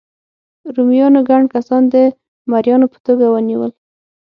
رومیانو ګڼ کسان د مریانو په توګه ونیول.